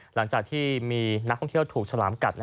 หลังจากที่มีนักท่องเที่ยวถูกฉลามกัด